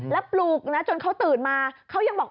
แล้วปลูกนะจนเขาตื่นมาเขายังบอก